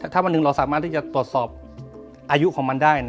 ถ้าวันหนึ่งเราสามารถที่จะตรวจสอบอายุของมันได้